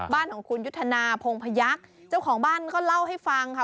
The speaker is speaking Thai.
บ้านของคุณยุทธนาพงพยักษ์เจ้าของบ้านก็เล่าให้ฟังค่ะ